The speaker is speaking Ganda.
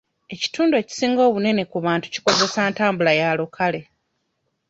Ekitundu ekisinga obunene ku bantu kikozesa ntambula ya lukale.